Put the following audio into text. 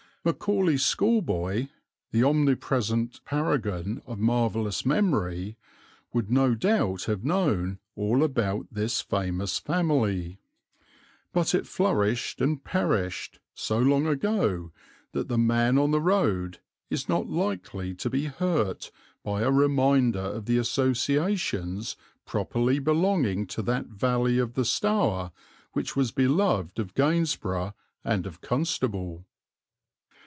Macaulay's schoolboy, the omnipresent paragon of marvellous memory, would no doubt have known all about this famous family; but it flourished, and perished, so long ago that the "man on the road" is not likely to be hurt by a reminder of the associations properly belonging to that valley of the Stour which was beloved of Gainsborough and of Constable.